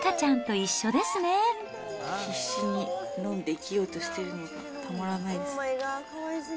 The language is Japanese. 必死に飲んで生きようとしてるのが、たまらないです。